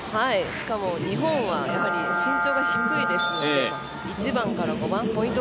しかも日本は身長が低いので１番から５番ポイント